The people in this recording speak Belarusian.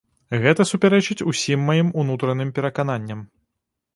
Гэта супярэчыць усім маім унутраным перакананням.